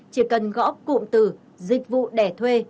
chỉ cần gõ cụm từ dịch vụ đẻ thuê